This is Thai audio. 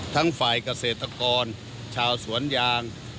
ทั้งฝ่ายเกษตรกรชาวสวนยาง